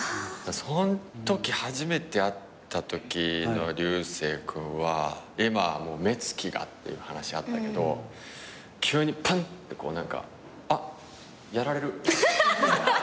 そんとき初めて会ったときの流星君は今目つきがって話あったけど急にパンってあっやられる。